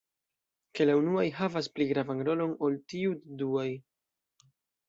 Ke la unuaj havas pli gravan rolon ol tiu de duaj?